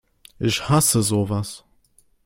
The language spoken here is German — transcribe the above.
Ich hasse sowas!